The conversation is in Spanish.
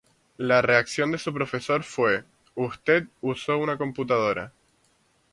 La reacción de su profesor fue, "¡Usted usó una computadora!